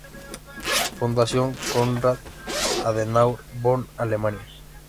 Fundación Konrad Adenauer, Bonn, Alemania.